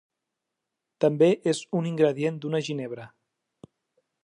També és un ingredient d'una ginebra.